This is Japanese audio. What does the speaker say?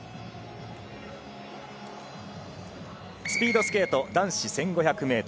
スピードスケート男子１５００ｍ。